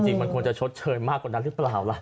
มันควรจะชดเชยมากกว่านั้นหรือเปล่าล่ะ